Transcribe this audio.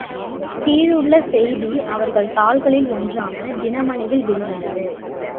கீழுள்ள செய்தி அவர்கள் தாள்களில் ஒன்றான தினமணி யில் வெளிவந்தது.